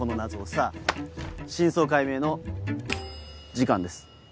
さぁ真相解明の時間です。